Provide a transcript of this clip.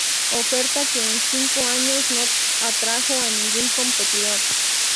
La oferta que en cinco años no atrajo a ningún competidor.